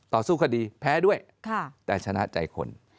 สู้คดีแพ้ด้วยแต่ชนะใจคน